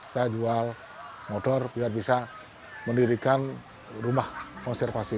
saya jual motor biar bisa mendirikan rumah konservasi